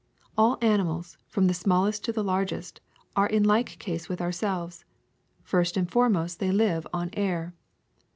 ^'All animals, from the smallest to the largest, are in like case with ourselves: first and foremost they live on air.